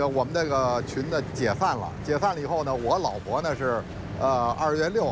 ผมอย่าเที่ยวที่แสบใต้เที่ยวครั้งเกี่ยวกับพื้นทาง